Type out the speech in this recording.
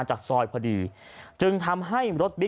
จังหวะเดี๋ยวจะให้ดูนะ